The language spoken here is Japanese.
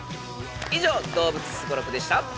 以上動物スゴロクでした。